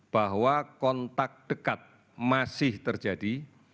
bahwa kontak dekat masih terjadi